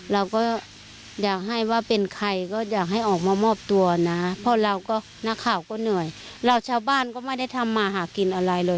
เราก็อยากให้ว่าเป็นใครก็อยากให้ออกมามอบตัวนะเพราะเราก็นักข่าวก็เหนื่อยเราชาวบ้านก็ไม่ได้ทำมาหากินอะไรเลย